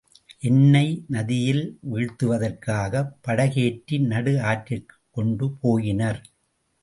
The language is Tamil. என்னை நதியில் வீழ்த்துவதற்காகப் படகேற்றி நடு ஆற்றிற்குக்கொண்டு போயினர்.